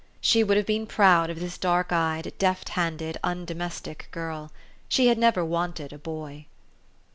She would have been proud of this dark eyed, deft handed, un domestic girl. She had never wanted a boy.